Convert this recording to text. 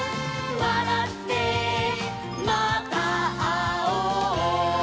「わらってまたあおう」